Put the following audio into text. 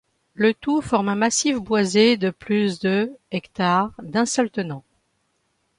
Le tout forme un massif boisé de plus de hectares d'un seul tenant.